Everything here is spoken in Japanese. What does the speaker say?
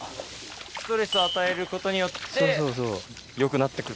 ストレスを与えることによってよくなってく。